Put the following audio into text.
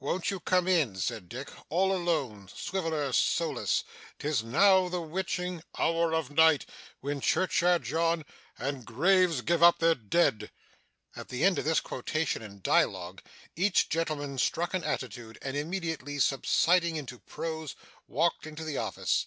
'Won't you come in?' said Dick. 'All alone. Swiveller solus. "'Tis now the witching "' '"Hour of night!"' '"When churchyards yawn,"' '"And graves give up their dead."' At the end of this quotation in dialogue, each gentleman struck an attitude, and immediately subsiding into prose walked into the office.